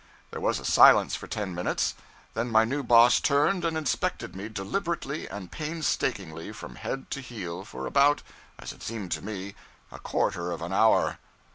There was silence for ten minutes; then my new boss turned and inspected me deliberately and painstakingly from head to heel for about as it seemed to me a quarter of an hour.